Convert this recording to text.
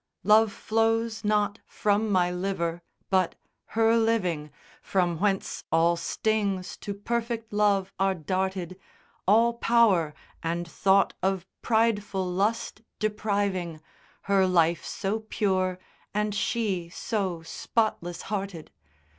in. Love flows not from my liver but her living, From whence all stings to perfect love are darted All power, and thought of prideful lust depriving Her life so pure and she so spotless hearted.